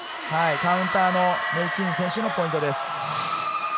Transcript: カウンターのメルチーヌ選手のポイントです。